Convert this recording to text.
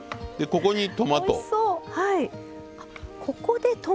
ここにトマト。